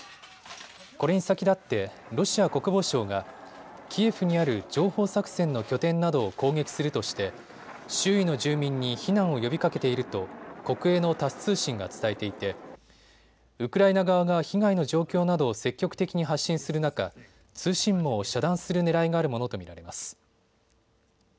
これに先立ってロシア国防省がキエフにある情報作戦の拠点などを攻撃するとして周囲の住民に避難を呼びかけていると国営のタス通信が伝えていてウクライナ側が被害の状況などを積極的に発信する中、通信網を遮断するねらいがあるものと見られます。